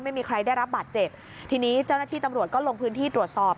ไม่มีใครได้รับบาดเจ็บทีนี้เจ้าหน้าที่ตำรวจก็ลงพื้นที่ตรวจสอบ